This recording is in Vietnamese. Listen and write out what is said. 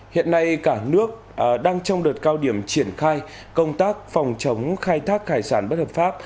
hiện nay cả nước đang trong đợt cao điểm triển khai công tác phòng chống khai thác hải sản bất hợp pháp